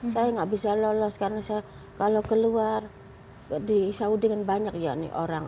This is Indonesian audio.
saya nggak bisa lolos karena saya kalau keluar di saudi kan banyak ya ini orang